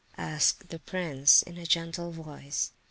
asked the prince in a gentle voice.